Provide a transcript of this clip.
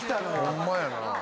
ホンマやな。